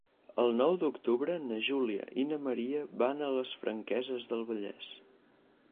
El nou d'octubre na Júlia i na Maria van a les Franqueses del Vallès.